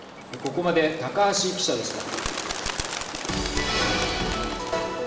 ここまで高橋記者でした。